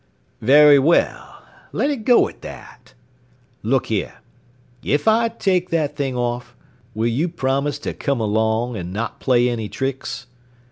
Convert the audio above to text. "Very well. Let it go at that. Look here! If I take that thing off, will you promise to come along, and not play any tricks?"